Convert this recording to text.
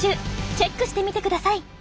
チェックしてみてください！